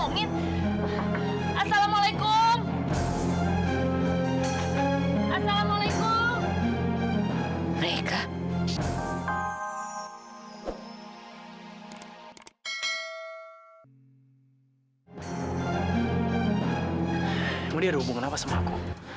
mereka ada hubungan apa sama aku